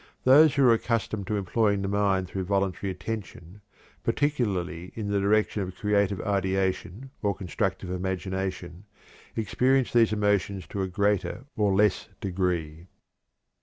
Those who are accustomed to employing the mind through voluntary attention, particularly in the direction of creative ideation or constructive imagination, experience these emotions to a greater or less degree.